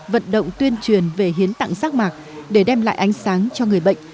vận động tuyên truyền về hiến tặng giác mạc để đem lại ánh sáng cho người bệnh